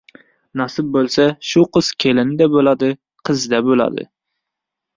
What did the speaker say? Nasib bo‘lsa, shu qiz kelinda bo‘ladi, qizda bo‘ladi!